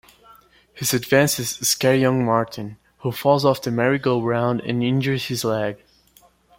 His advances scare young Martin, who falls off the merry-go-round and injures his leg.